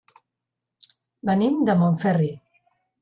Venim de Montferri.